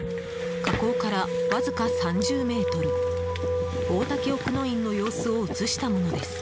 火口からわずか３０ｍ王滝奥の院の様子を映したものです。